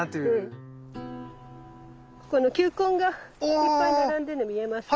この球根がいっぱい並んでるの見えますか。